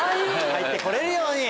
入ってこれるように！